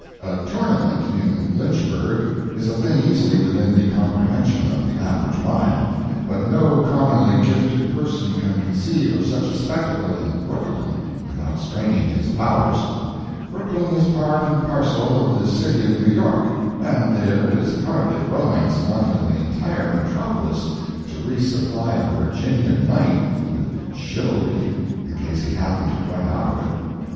A "tournament" in Lynchburg is a thing easily within the comprehension of the average mind; but no commonly gifted person can conceive of such a spectacle in Brooklyn without straining his powers. Brooklyn is part and parcel of the city of New York, and there is hardly romance enough in the entire metropolis to re supply a Virginia "knight" with "chivalry," in case he happened to run out of it.